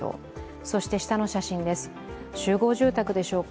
そして下の写真です、集合住宅でしょうか。